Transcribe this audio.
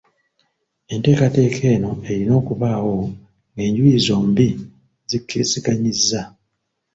Enteekateeka eno erina okubaawo ng'enjuyi zombi zikkiriziganyizza.